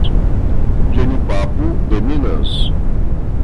Jenipapo de Minas